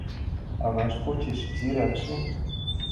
Авашт почеш изиракше